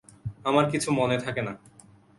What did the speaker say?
আমার কিছু মনে থাকে না।